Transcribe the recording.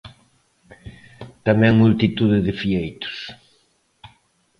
Tamén multitude de fieitos.